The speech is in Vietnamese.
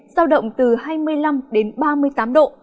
giao động từ hai mươi năm đến ba mươi tám độ